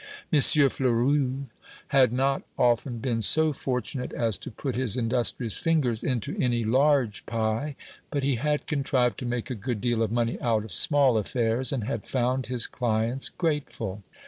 M. Fleurus had not often been so fortunate as to put his industrious fingers into any large pie, but he had contrived to make a good deal of money out of small affairs, and had found his clients grateful.